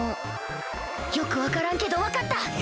よく分からんけど分かった！